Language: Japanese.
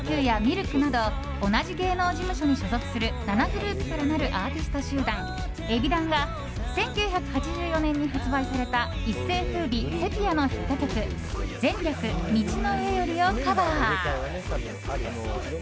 ＬＫなど同じ芸能事務所に所属する７グループからなるアーティスト集団ＥＢｉＤＡＮが１９８４年に発売された一世風靡セピアのヒット曲「前略、道の上より」をカバー。